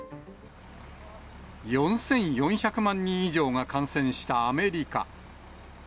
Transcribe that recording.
４４００万人以上が感染したアメリカ。